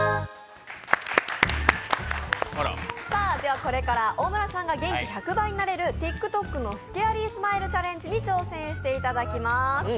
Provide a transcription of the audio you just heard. これから大村さんが元気１００倍になれる、ＴｉｋＴｏｋのスケアリースマイルチャレンジに挑戦していただきます。